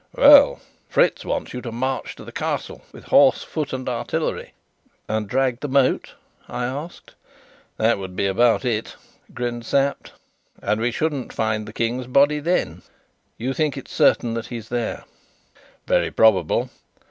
"Well, Fritz wants you to march to the Castle with horse, foot, and artillery." "And drag the moat?" I asked. "That would be about it," grinned Sapt, "and we shouldn't find the King's body then." "You think it's certain he's there?" "Very probable.